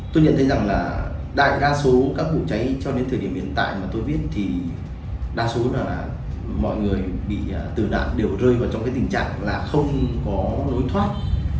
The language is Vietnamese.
tôi nhận thấy rằng là đại đa số các vụ cháy cho đến thời điểm hiện tại mà tôi viết thì đa số là mọi người bị từ đạn đều rơi vào trong cái tình trạng là không có lối thoát